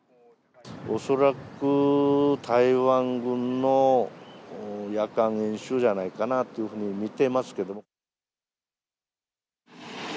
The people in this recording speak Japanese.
恐らく台湾軍の夜間演習じゃないかなというふうに見てますけども。